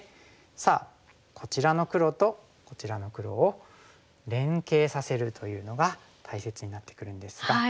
こちらの黒とこちらの黒を連携させるというのが大切になってくるんですが。